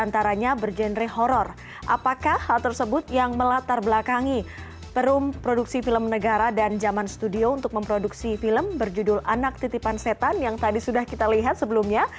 terum produksi film negara dan zaman studio untuk memproduksi film berjudul anak titipan setan yang tadi sudah kita lihat sebelumnya